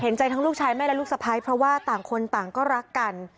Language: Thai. ใจทั้งลูกชายแม่และลูกสะพ้ายเพราะว่าต่างคนต่างก็รักกัน